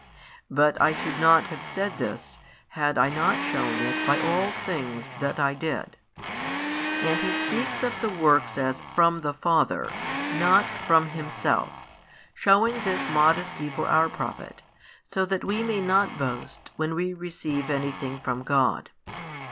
But I should not have said this, had I not shewn it by all things that I did. And He speaks of the works as from the Father, not from Himself, shewing this modesty for our profit, so that we may not boast when we receive anything from God.